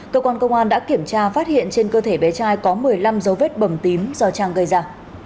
cơ quan công an đã kiểm tra phát hiện trên cơ thể bé trai có một mươi năm dấu vết bầm tím do trang gây ra